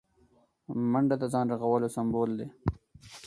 منډه د ځان رغولو سمبول دی